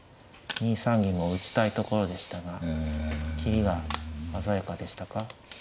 ２三銀も打ちたいところでしたが切りが鮮やかでしたか。